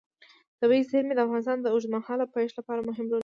طبیعي زیرمې د افغانستان د اوږدمهاله پایښت لپاره مهم رول لري.